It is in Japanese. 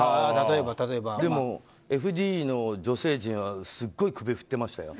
でも、女性陣はすっごい首振ってましたよ。